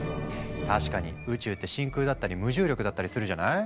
確かに宇宙って真空だったり無重力だったりするじゃない？